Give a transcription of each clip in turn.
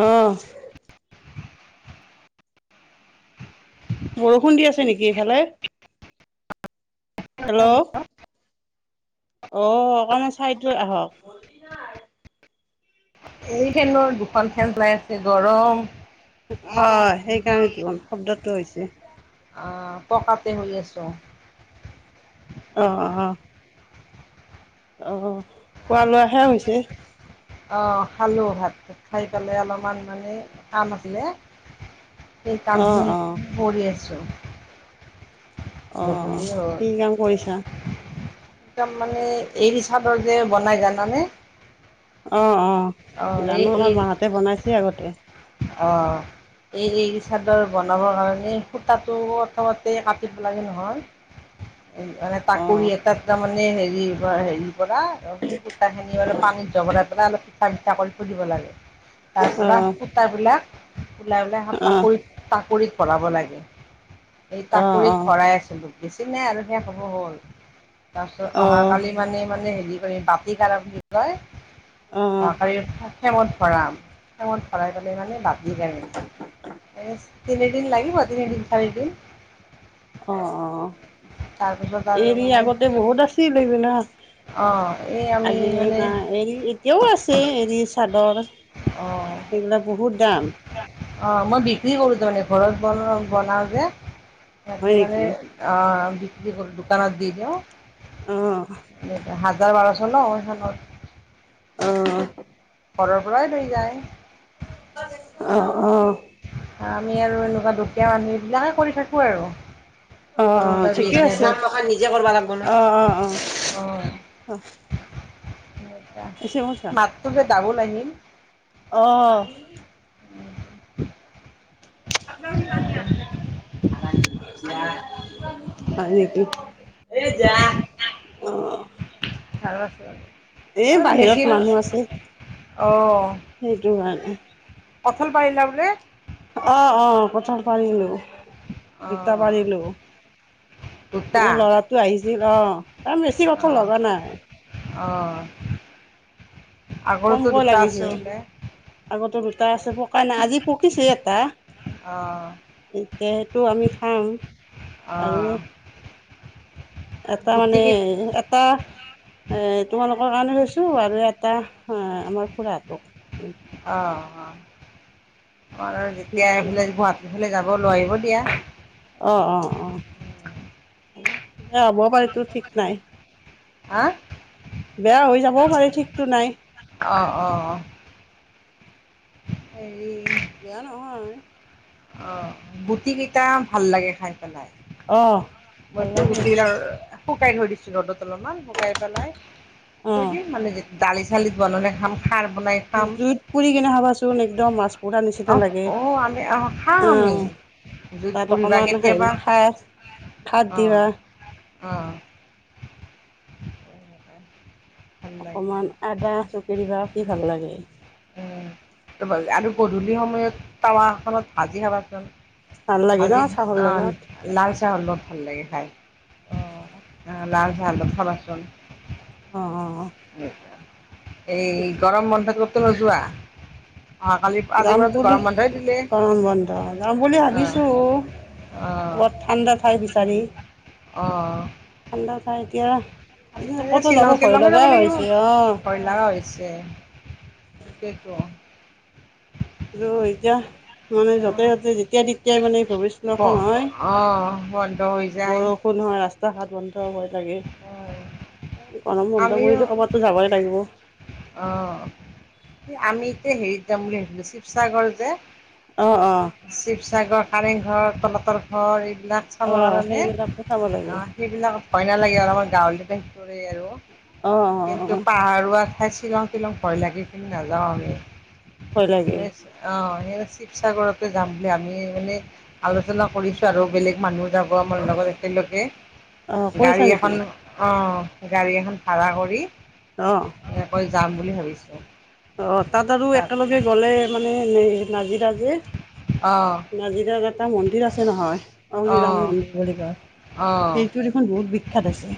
আহঁ বৰষুণ দি আছে নেকি সেইফালে হেল্ল' অ অকণমান চাইটো আহক এইখেনৰ দুখন খেন চলাই আছে গৰম অ সেইকাৰণো শব্দটো হৈছে অঁ অঁ অঁ অঁ অঁ লোৱা লোৱাহে হৈছে অ খালোঁ ভাত খাই পেলাই অলপমান মানে আম আছিলে সেই কাম অ খিনি অ কৰি আছো অ গধূলি হ'ল কি কাম কৰিছা একদম মানে এৰি চাদৰ যে বনাই জানানে অ অ অ এই জানো এই আমাৰ মাহতে বনাইছে আগতে অ এই এই চাদৰ বনাবৰ কাৰণে সূতাটো প্ৰথমতে কাটিব লাগে নহয় মানে অ তাকৰি এটাত তাৰমানে হেৰি হেৰি সুতা খিনি অলপ পানীত জবৰাই পেলাই অলপ পিঠা চিঠা কৰি থৈদিব লাগে তাৰ অ পৰা সূতাবিলাক ওলাই ওলাই অ অ তাকৰিত তাকৰিত ভৰাব লাগে এই অ তাকৰিত ভৰাই আছিলো বেছি নাই আৰু শেষ হ'ব হ'ল তাৰপিছত অ অহাকালি মানে মানে কৰি বাতি কৰা বুলি যে অ কয় সেই ফ্ৰেমত ভৰামে ভৰাই পেলাই মানে বাতি কৰে তিনিদিন লাগিব তিনিদিন চাৰিদিন অ অ তাৰপিছত আৰু এৰি মানে আগতে বহুত আছিল এইবিলাক অঁ এই আমি আজিকালি মানে না এৰি এতিয়াও আছে এৰি চাদৰ অ এইবিলাক বহুত দাম অ মই বিক্ৰী কৰোঁ তাৰ মানে ঘৰত বন বনাওঁ যে হয় তাতে মানে নেকি বি কি কৰো দোকানত দি দিও অ', [unintelligible] হাজাৰ বাৰশ নখ [unintelligible] আহ ঘৰৰ পৰাই লৈ যায় অঁ অঁ আমি আৰু এনেকুৱা দুকীয়া মানুহ এইবিলাকে কৰি থাকো আৰু অ সৰু অ সুৰা ঠিকেই বিজনেছৰ [unintelligible] প্ৰসাদ নিজে কৰিব লাগিব অ অ অ অঁ অহ মাতটো মোৰ দাবুল আহিল অ'। উম [unintelligible] [unintelligible] হয় নেকি এ যাহ [unintelligible] এ আৰু মেচিন বাহিৰত মানুহ আছে সেইটো কাৰণে কঠাল পাৰিলা বোলে আহ অ কঠাল পাৰিলো দুটা অঁ পাৰিলো দুটা এ ল'ৰাটো আহিছিল অ আৰ বেছি কঠাল অঁ লগা নাই অঁ আগৰতো কমকৈ দুটা আছে লাগিছে বোলে আগতে দুটা আছে পকা নাই আজি পকিছে এটা। অঁ এতিয়া সেইটো আমি খাম আৰু অঁ এটা মানে গুটিকেই এটা এ তোমালোকৰ কাৰণে থৈছো আৰু এটা হে আমাৰ খুৰাটো অ', [unintelligible] যেতিয়া এইফালে যাব লৈ আহিব দিয়া। অ', অ', অ', হ'ব পাৰেতো ঠিক নাই। হা বিয়া হৈ যাবও পাৰে ঠিকতো নাই অঁ অঁ অ হেৰি বেয়া নহয় অ গুটি কেইটা ভাল লাগে খাই পেলাই অ ভাল মইতো লাগে গুটি বিলাক আৰু শুকাই থৈ দিছিলো ৰ'দত অলপমান শুকাই পেলাই অ থৈ দিম দালি চালিত বনাই খাম খাৰ জুইত পুৰি কেনে খাবাচোন একদম মাছ পুৰা নিচিনা অঁ লাগে অঁ আমি অঁ খাওঁ আমি অ', জুইত তাত পুৰি বা অকমান কেতিয়াবা হেৰি খাই খাৰ দিবা। অ', অকমান আদা চকি দিবা কি ভাল লাগে। ত' আৰু গধূলি সময়ত টাৱাখনত ভাজি খাবাচোন। ভাল লাগে ন আজি চাহৰ অ', লগত লাল চাহৰ লগত ভাল লাগে অ খাই। লাল চাহৰ লগত খাবাচোন। অ', অ', এই গৰম বন্ধত কতো নোযোৱা? অহাকালি আজিৰ যাম পৰাতো বুলি গৰম বন্ধই দিলে গৰম বন্ধত যাম বুলি অঁ ভাবিছোঁ। কৰবাত ঠাণ্ডা ঠাই বিচাৰি। অ', ঠাণ্ডা ঠাই এতিয়া এতিয়া ক'তো যাব শ্বিলং ভয় তিলং এ যাব লগাই লাগিব হৈছে অঁ ভয় লগা হৈছে। সেইটোৱেতো। কিন্ত এতিয়া। মানে যতে যতে যেতিয়াই তেতিয়াই মানে অঁ [unintelligible] হয় অঁ বন্ধ হৈ যায় বৰষুণ হয় ৰাস্তা [unintelligible] বন্ধ হই লাগে অঁ গৰম বন্ধ বুলি ক'বাত তো যাবই লাগিব। অ', আমিতো হেৰিত যাম বুলি ভাবিছিলো শিৱসাগৰ যে। অঁ অঁ শিৱসাগৰ কাৰেংঘৰ তলাতল ঘৰ এইব সেইবিলাক চাবৰ অঁ কাৰণে সেইবিলাকো চাব লাগে অ', সেইবিলাকত ভয় নালাগে অলপমান গাঁৱ আৰু অঁ অঁ কিন্তু অঁ পাহাৰ খাই শিলং তিলং ভয় লাগি এই পিনে নাযাওঁ অঁ' ভয় লাগে স শিৱসাগৰত যাম বুলি আমি মানে আলোচনা কৰিছো আৰু বেলেগ মানুহ যাব আমাৰ লগত একেলগে অঁ গাড়ী কৰিছা নেকি এখন অ', ' গাড়ী এখন ভাড়া কৰি। অ', এনেকৈ যাম বুলি ভাবিছোঁ। অ', তাত আৰু একেলগে গ'লে মানে নাজিৰা যে অ' নাজিৰত এটা মন্দিৰ আছে নহয় অগ্নিৰাম অ' মন্দিৰ বুলি কয় অ' সেইটো দেখোন বহুত বিখ্যাত আছে।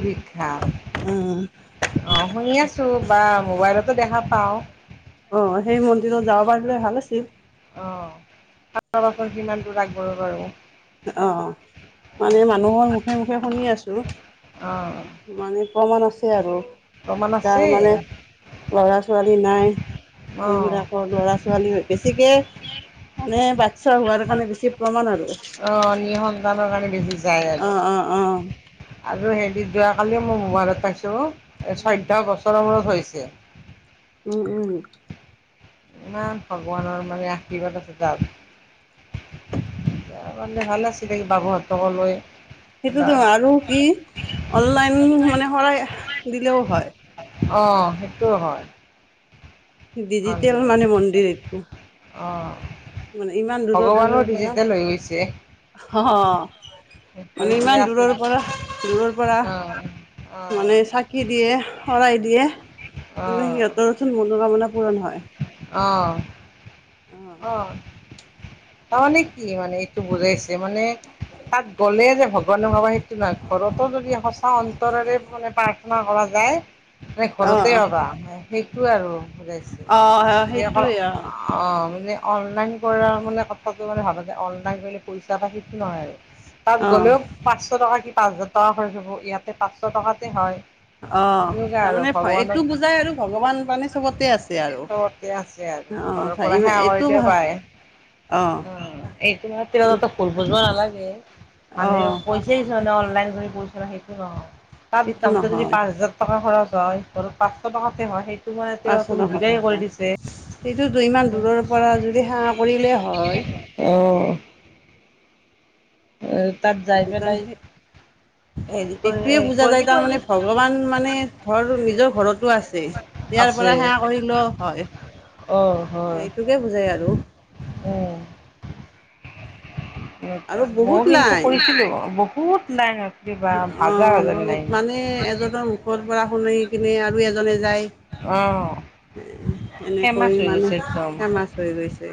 বিঘাৰ অ অ', শুনি আছো বা মোবাইলতো দেখা পাও অ' সেই মন্দিৰত যাব পাৰিলে ভাল আছিল। অ' বছৰ কিমান দ আগবঢ় বাৰু [unintelligible] অ' মানে মানুহৰ মুখে মুখে শুনি আছো অ' মানে প্ৰমাণ আছে আৰু প্ৰমাণ তাৰ আছে মানে লৰা ছোৱালী নাই অ' সেইবিলাকৰ ল'ৰা ছোৱালী বেছিকে মানে বাতচ্ছা হোৱাৰ কাৰণে বেছি প্ৰমাণ আৰু। অ' নি সন্তানৰ কাৰণে বেছি যায় অ আৰু অ অ আৰু সেই যোৱা কালি মই মোবাইলত পাইছোঁ এই উম চৈধ্য বছৰৰ মূৰত হৈছে। উম, উম, ইমান ভগৱানৰ মানে আশীৰ্বাদ আছে যও তাৰ মানে ভাল আছিলে বাবু হতক লৈ সেইটোতো এবাৰ আৰু কি অনলাইন মানে শৰাই দিলেও হয়। অ', সেইটো হয়। ডিজিটেল অনলাইন মানে মন্দিৰ এইটো অ', মানে ইমান দূৰৰ ভগৱানো দূৰৰ পৰা ডিজিটেল হৈ গৈছে। অ মানে ভাবিছিলে ইমান দূৰৰ আচৰিত পৰা দূৰৰ পৰা অ', মানে অ', চাকি দিয়ে শৰাই দিয়ে কিন্তু অ', সিহঁতৰ নতোন মনো কামনা পূৰণ হয়। অঁ। অ' তাৰমানে কি মানে এইটো বুজাইছে মানে তাত গ'লে যে ভগৱানো ভাবা সেইটো নহয় ঘৰতো যদি সঁচা অন্তৰেৰে মানে প্ৰাৰ্থনা কৰা লাই ম অ ঘৰতে অ ৰবা সেইটো আৰু। [unintelligible] অ সেইটোৱে অ মানে অনলাইন কৰাৰ মানে ক মানে ভাবা যে অনলাইন কৰিলে পইচা বা সেইটো নহয় আৰু তাত অ গ'লেও পাঁচশ টকা পাঁচ হাজাৰ টকা হৈ যাব ইয়াতে পাঁচশ টকাতে হয়। আহ এনেকুৱা আৰু তাৰমানে ভগৱানক এইটো বুজাই আৰু ভগৱান মানে চবতে আছে আৰু চবতে আছে ঘৰৰ অ পৰা সেৱা এইটো কৰিলেও ভাল পাৰে। অ' এইটো ত ভুল বুজব নালাগে অ মানুহে কৈছে যে ন অনলন সেইটো নহয় তাত এইটো দামতটো যদি নহয় পাঁচ হাজাৰ টকা খৰচ হয় স পচশ টকাতে হয় সেই [unintelligible] কথা হয় সেইটো ইমান দূৰৰ পৰা যদি সেৱা কৰিলে হয় অঁ অ' তাত যাই সেইটো পেলাই কৰি এইটোয়ে বুজা যায় কৰি কৰি তাৰমানে ভগৱান মানে ঘৰ নিজৰ ঘৰতো আছে ইয়াৰ আছে পৰা সে [unintelligible] কৰিলো হয়। হয় [unintelligible] এইটোকে বুজাই আৰু। অ' আৰু মই বহুত কিন্তু লাইন কৰিছিলো। বহুত [unintelligible] অ হাজাৰ হাজাৰ বহুত লাইন। মানে এজনৰ মুখৰ পৰা শুন কিনে আৰু এজনে যায় অহ, ফেমাচ এনেকৈ হৈ মানে গৈছে একদম। ফেমাচ হৈ গৈছে।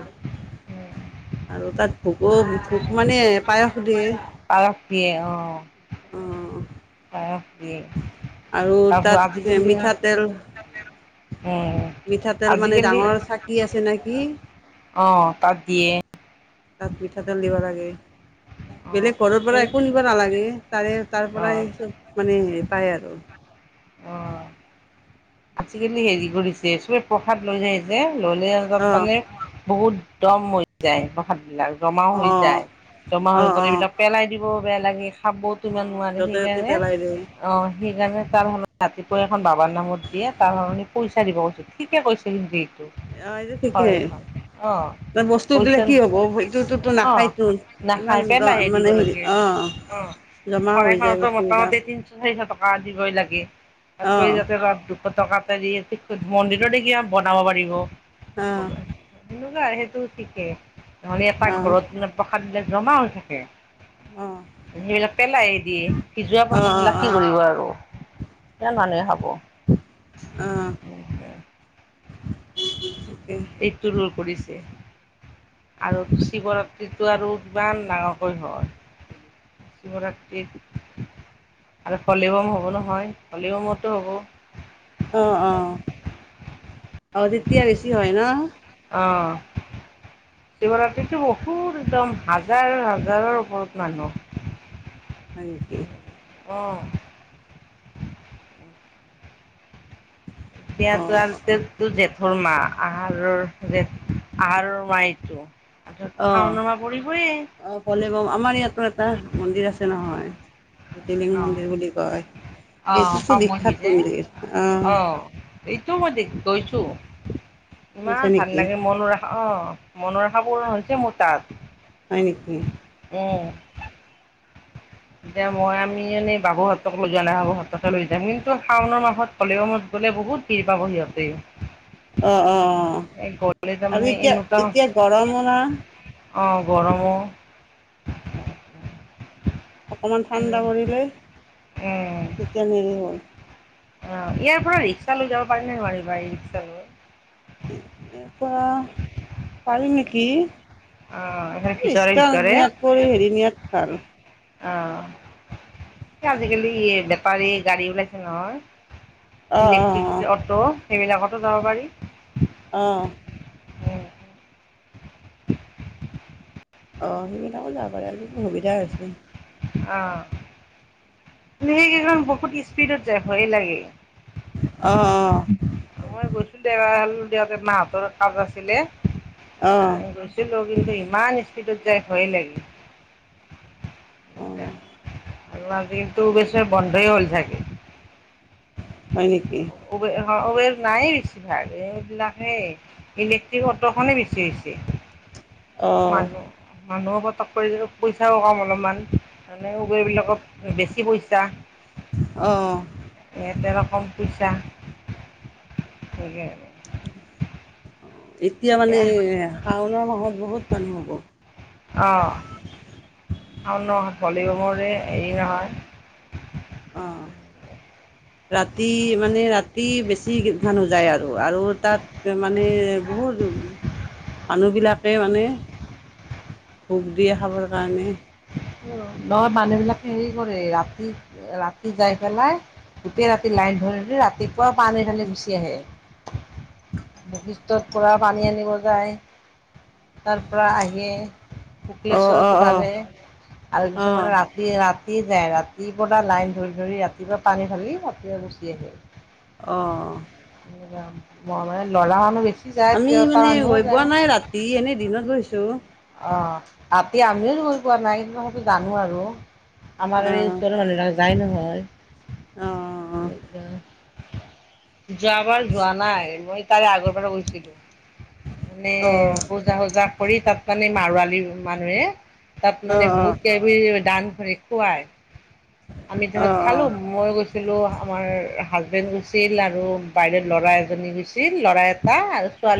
আৰু তাত ভোকো ভোক মানে পায়স দিয়ে। অঁ দিয়ে। অ' অঁ অ' পায়স দিয়ে আৰু তাত মিঠাতেল উম মিঠাতেল মানে ডাঙৰ চাকি আছে নে কি? অঁ অঁ তাত দিয়ে। তাত মিঠাতেল দিব লাগে। অ বেলেগ ঘৰৰ পৰা এই একো নিব নালাগে তাৰে তাৰ অ পৰাই চব মানে হে পাই আৰু অ আজিকালি হেৰি বোৰ যে চবে প্ৰসাদ লৈ যাইছে ললে তাত অ', মানে বহুত দম হৈ যায় প্ৰসাদ বিলাক জমা হৈ অ', যায়, জমা হৈ অ', গ'লে অ', এইবিলাক পেলাই দিব বেয়া লাগে খাবওতো ইমান অ', নোৱাৰে য'তে ত'তে সেইকাৰণে পেলাই দিয়ে অ' সেইকাৰণে তাৰণে ৰাতিপুৱা এখন বাবাৰ নামত দিয়ে তাৰ কাৰণে পইচা দিব কৈছো ঠিকে কৈছে কিন্তু হয়, হয়, অ', ত' বস্তু দিলে কি পইচা হ'ব সটোতো অ', নাখায়তো ইমান নাখাই দ মানে হেৰি অ জমা হৈ যায় চৰাইখনতো বস্তুবিলাক মোটামুটি তিনশ চাৰিশ টকা আ, দিবই লাগে তাতকৈ অ', যাতে ৰদ দু টকা এটা দি মন্দিৰতে কিবা বনাব পাৰিব। আহ, তেনেকুৱা আৰু সেইটো ঠিকে নহলে এটা অ', অ', ঘৰত মে প্ৰসাদ বিলাক জমা হৈ থাকে। অ', সেইবিলাক পেলাইে দিয়ে সি যোৱা অ', প্ৰসাদ বিলাক কি অ', কৰিব আৰু? কৰ মানুহে খাব। অ', পেটুলৰ কৰিছে। আৰু শিৱ ৰাত্ৰিটো আৰু কিমান ডাঙৰকৈ হয়। শিৱৰাত্ৰিৰ আৰু পলিবম হ'ব নহয় পলিবমতো হ'ব। অ', অ', অ', তেতিয়া বেছি হয় ন'? অ', শিৱৰাত্ৰিটো বহুত একদম হাজাৰ হাজাৰৰ ওপৰত মানুহ হয় নিকি? অ', অ', [unintelligible] অ', ধৰ্মা আহাৰৰ আহাৰৰ মাইটো শাওনৰ অ'। মাহ অ পৰিবয়ে। ভলেবম আমাৰ ইয়াতো এটা মন্দিৰ আছে নহয়। জ্যতিলিং মন্দিৰ বুলি কয়, সেইটোতো বিখ্যাত মন্দিৰ, অ', এইটো মই গৈছো শুনিছা ইমান ভাল নেকি লাগে, মনৰ আশা অ', মনৰ আশা পুৰন হৈছে মোৰ তাত। হয় নিকি? অ', দে মই আমি এনে বাবুহতক লৈ যোৱা নাই বাবুহতকে লৈ যাম, কিন্তু শাওণৰ মাহত হ'লেও ম গলে বহুত ভিৰ পাব সিহঁতে। অ অ অ এই গলে যে আৰু [unintelligible] এতিয়া এনেকুৱা এতিয়া গৰমৰ না অ', গৰমো অকণমান ঠাণ্ডা উম, পৰিলে চিকেন হেৰি হ'ল অ', ইয়াৰ পৰা ৰিক্সা লৈ যাব পাৰি নে নোৱাৰিম বা ইৰিক্সা লৈ? এনেকুৱা পাৰি নেকি। অ' এইফালে ভিতৰে ইৰিক্সা ভিতৰে নিয়াতকৈ হেৰি নিয়াত ভাল। অ', আজিকালি বেটাৰী গাড়ী ওলাইছে অ নহয়। অ ইলেক্ট্ৰিক যে অ'ট' সেইবিলাকতো যাব পাৰি। অ', অ', সেইবিলাকো যাব পাৰে আৰু সুবিধা হৈছে। অ', মানে সেইকেইখন বহুত স্পীডত যাই ভয়ে লাগে। অ', অ', মই গৈছিলোঁ দে মাহতৰ কাজ আছিলে অ অ গৈছিলোঁ। কিন্তু ইমান স্পীডত যাই ভয়ে লাগে। অ', আৰু আজিটো পিছে বন্ধই হ'ল ছাগে। হয় নেকি? খুবেই আহ অ ৰিক্সা নায়েই বেছি ভাগ এইবিলাকে ইলেক্ট্ৰিক অটখনে বেছি হৈছে [unintelligible] অ মানুহ মানুহো পটক কৰি পইচাওঁ কম অলপমান মানে উবেৰবিলাকত বেছি পইচাঁ অ এয়াতে আৰু কম পইচা তাকেই আৰু এতিয়া মানে শাওণৰ মাহত বহুত মানুহ হ'ব। অ', শাওনৰ ভলিবমৰেই হেৰি নহয় অ', [inaudible] ৰাতি মানে ৰাতি বেছি মানুহ যায় আৰু, আৰু তাত মানে বহুত [inaudible] মানুহবিলাকে মানে ভোক দিয়ে খাবৰ কাৰণে নহয় মানুহ বিলাকে হেৰি কৰে ৰাতি ৰাতি যাই পেলাই গোটেই ৰাতি লাইন ধৰি ধৰি ৰাতিপুৱা পানী ধালি গুচি আহে বৈশিষ্ট্যৰ পুৰা পানী আনিব যায় তাৰ পৰা আহিএ অ অ শুক্লেশ্বৰততো অ ভালে আৰু অ কিছুমানে ৰাতি ৰাতি যায় ৰাতিপুৱা লাইন ধৰি ধৰি ৰাতিপুৱা পানী ঢালি ৰাতিপুৱা গুচি আহে অহ মই মানে ল'ৰা মানুহ বেছি যায় আমি তিৰোতা মানে মানুহো গৈ যায় পোৱা নাই ৰাতি এনে দিনত গৈছোঁ অ ৰাতি আমিওটো গৈ পোৱা নাই কিন্তু সেইটো জানোঁ আৰু আমাৰ অ এই ওচৰৰ দাদা এজনে যায় নহয় অ যোৱাবাৰ যোৱা নাই মই তাৰে আগৰ বাৰ গৈছিলোঁ মানে অ অ পূজা চূজা কৰি তাত মানে মাৰোৱাৰী মানুহেই তাত মানে বহুত কেইবিধমান ডান খুৱাই আমি অ অ তাৰাহত অ খালোঁ মই গৈছিলোঁ আমাৰ হাজবেণ্ড গৈছিল আৰু বাইডেউৰ ল'ৰা এজনী গৈছিল ল'ৰা এটা আৰু ছোৱালী